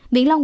vĩnh long bốn